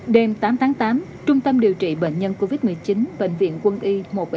đêm tám tháng tám trung tâm điều trị bệnh nhân covid một mươi chín bệnh viện quân y một trăm bảy mươi năm